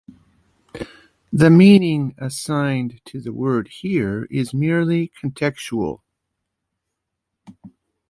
The meaning assigned to the word here is merely contextual.